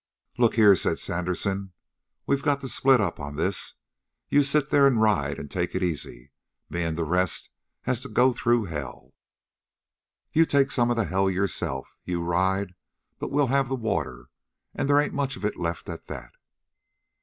"Look here!" said Sandersen. "We got to split up on this. You sit there and ride and take it easy. Me and the rest has to go through hell. You take some of the hell yourself. You ride, but we'll have the water, and they ain't much of it left at that!"